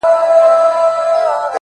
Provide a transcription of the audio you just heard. بنگړي نه غواړم؛